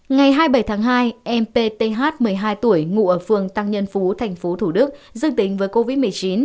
ngày hai mươi bảy tháng hai em pth một mươi hai tuổi ngụ ở phường tăng nhân phú tp thủ đức dương tính với covid một mươi chín